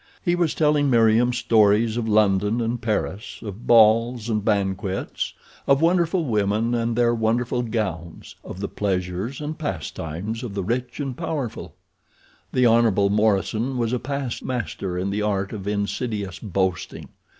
He was telling Meriem stories of London and Paris, of balls and banquets, of the wonderful women and their wonderful gowns, of the pleasures and pastimes of the rich and powerful. The Hon. Morison was a past master in the art of insidious boasting.